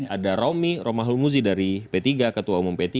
ada romy romahulmuzi dari p tiga ketua umum p tiga